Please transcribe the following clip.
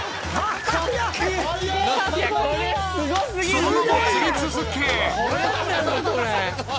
［その後も釣り続け］